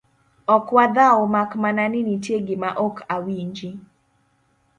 ok wadhao mak mana ni nitie gima ok awinji